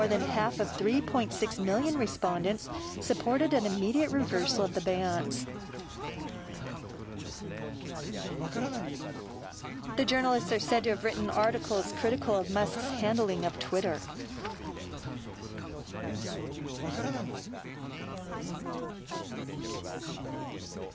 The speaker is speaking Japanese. アカウントを停止されていた記者らは、マスク氏のツイッターの運営を批判する記事を書いていたということです。